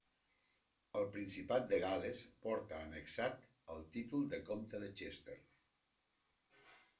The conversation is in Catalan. El Principat de Gal·les portà annexat el títol de comte de Chester.